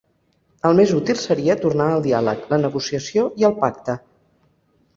El més útil seria tornar al diàleg, la negociació i el pacte.